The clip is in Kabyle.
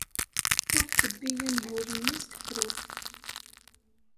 Ur ttebbi angul-nni s tefrut.